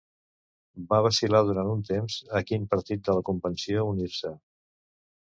Va vacil·lar durant un temps a quin partit de la Convenció unir-se.